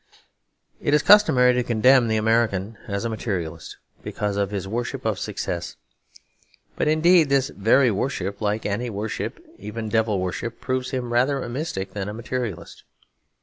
It is customary to condemn the American as a materialist because of his worship of success. But indeed this very worship, like any worship, even devil worship, proves him rather a mystic than a materialist.